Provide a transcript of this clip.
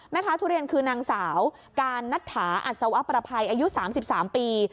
ทุเรียนคือนางสาวการนัตถาอัศวประภัยอายุ๓๓ปี